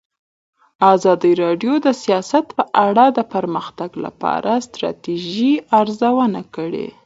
ازادي راډیو د سیاست په اړه د پرمختګ لپاره د ستراتیژۍ ارزونه کړې.